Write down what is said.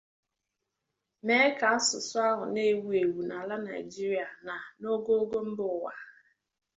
mee ka asụsụ ahụ na-ewu èwù n'ala Nigeria na n'ogoogo mba ụwa